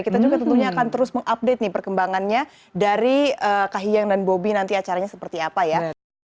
kita juga tentunya akan terus mengupdate nih perkembangannya dari kahiyang dan bobi nanti acaranya seperti apa ya